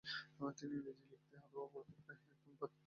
তিনি ইংরেজিতে লিখতে অথবা পড়তে প্রায় একদমই পারতেন না।